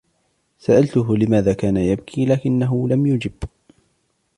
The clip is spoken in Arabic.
سألته لماذا كان يبكي، لكنه لم يجب.